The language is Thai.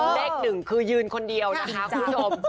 เลขหนึ่งคือยืนคนเดียวนะคะคุณผู้ชม